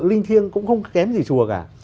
linh thiêng cũng không kém gì chùa cả